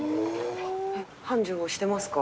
繁盛してますか？